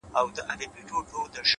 • خړي څانګي تور زاغان وای ,